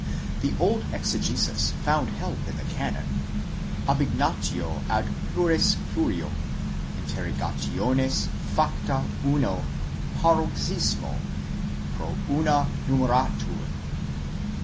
The old exegesis found help in the canon: adnegatio ad plures plurium interrogationes facta uno paroxysmo, pro una numeratur.